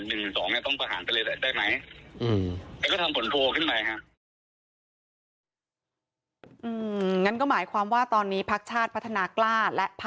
อืมงั้นก็หมายความว่าตอนนี้พรสภาคชาติพัฒนากล้าตต่อไปและพรรค